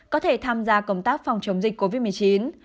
có thể tham gia công tác phòng chống dịch covid một mươi chín